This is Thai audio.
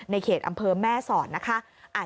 เขตอำเภอแม่สอดนะคะ